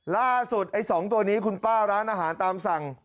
ล่าสุดไอ้๒ตัวนี้คุณป้าร้านอาหารตามสั่ง